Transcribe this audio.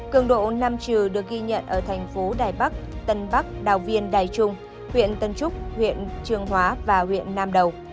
cường độ nam trừ được ghi nhận ở thành phố đài bắc tân bắc đào viên đài trung huyện tân trúc huyện trường hóa và huyện nam đầu